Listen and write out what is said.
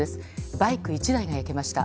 バイク１台が焼けました。